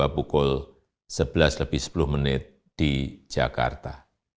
pukul sebelas sepuluh di jakarta